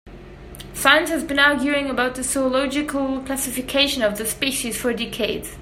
Science has been arguing about the zoological classification of the species for decades.